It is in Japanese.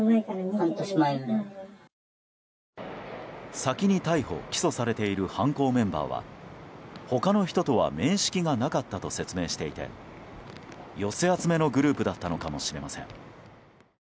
先に逮捕・起訴されている犯行メンバーは他の人とは面識がなかったと説明していて寄せ集めのグループだったのかもしれません。